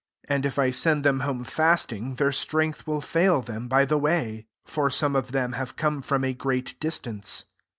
3 And if I send them home fasting, their strength will fail them by the way : for some of them have come from a great distance."